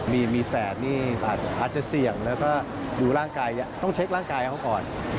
มีแฝดนี่อาจจะเสี่ยงแล้วก็ดูร่างกายต้องเช็คร่างกายเขาก่อน